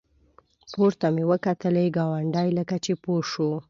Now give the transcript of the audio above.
پورته مې وکتلې ګاونډی لکه چې پوه شو.